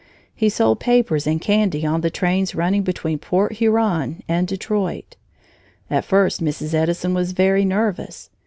He sold papers and candy on the trains running between Port Huron and Detroit. At first Mrs. Edison was very nervous.